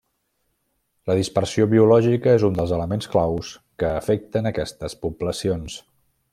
La dispersió biològica és un dels elements claus que afecten aquestes poblacions.